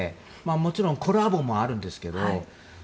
もちろんコラボもあるんですけど